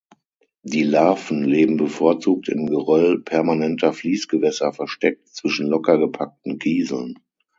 Die Larven leben bevorzugt im Geröll permanenter Fließgewässer versteckt zwischen locker gepackten Kieseln.